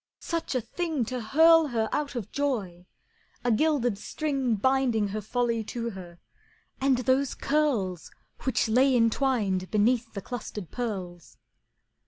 Such a thing To hurl her out of joy! A gilded string Binding her folly to her, and those curls Which lay entwined beneath the clustered pearls!